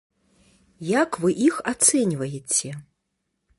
Як вы іх ацэньваеце?